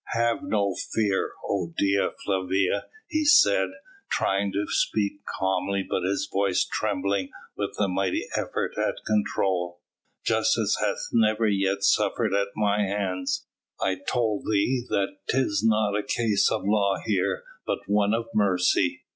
"Have no fear, O Dea Flavia," he said, trying to speak calmly, but his voice trembling with the mighty effort at control, "justice hath never yet suffered at my hands. I told thee that 'tis not a case of law here but one of mercy.